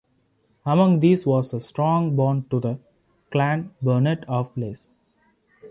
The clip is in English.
Among these was a strong bond to the Clan Burnett of Leys.